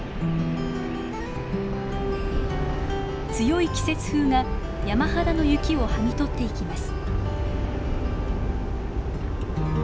強い季節風が山肌の雪をはぎ取っていきます。